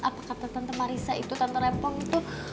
apa kata tante marissa itu tante repong itu